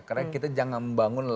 karena kita jangan membangun lelah